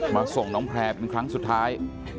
ส่งน้องแพร่เป็นครั้งสุดท้าย